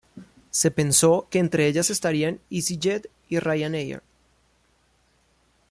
Se pensó que entre ellas estarían easyJet y Ryanair.